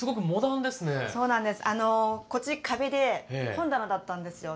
こっち壁で本棚だったんですよ。